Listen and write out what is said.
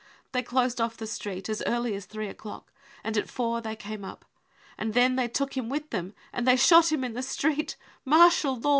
They closed off the street as early as three o'clock, and at four they came up. And then they took him with them and they shot him in the street, c martial law.